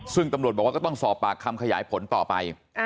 ซึ่งตำรวจบอกว่าก็ต้องสอบปากคำขยายผลต่อไป